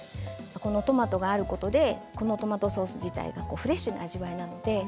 このトマトがあることで、このトマトソース自体がフレッシュな味わいになります。